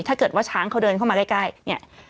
ถ้าเกิดว่าช้างเขาเดินเข้ามาใกล้เนี่ย